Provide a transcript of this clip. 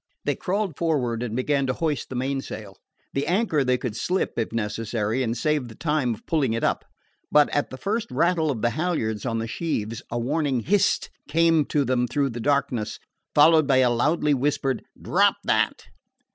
They crawled forward and began to hoist the mainsail. The anchor they could slip, if necessary, and save the time of pulling it up. But at the first rattle of the halyards on the sheaves a warning "Hist!" came to them through the darkness, followed by a loudly whispered "Drop that!"